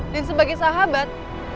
dan sebagai sahabat